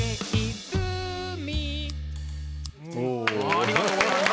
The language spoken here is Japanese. ありがとうございます。